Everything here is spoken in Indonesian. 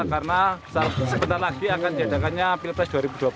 karena sebentar lagi akan diadakannya pilpres dua ribu dua puluh empat